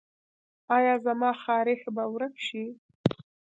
ایا زما خارښ به ورک شي؟